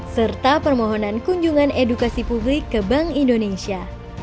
serta permohonan kunjungan edukasi publik ke bank indonesia